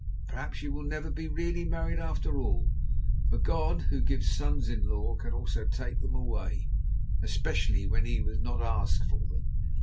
Perhaps you will never be really married after all, for God, Who gives sons in law, can also take them away, especially when He was not asked for them.